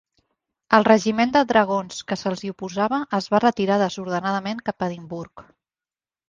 El regiment de dragons que se'ls hi oposava es va retirar desordenadament cap a Edimburg.